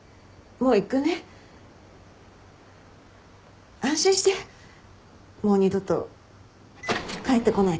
もう二度と帰ってこないから。